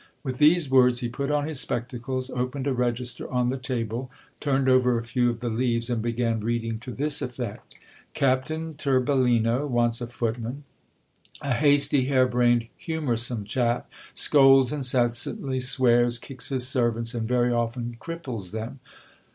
With these words, he put on his spectacles, opened a register on the table, turned over a few of the leaves, and began reading to this effect : Captain Tor bellino wants a footman ; a hasty, hair brained, humoursome chap ; scolds in cessantly, swears, kicks his servants, and very often cripples them.